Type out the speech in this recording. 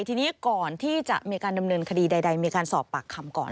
ทีนี้ก่อนที่จะมีการดำเนินคดีใดมีการสอบปากคำก่อน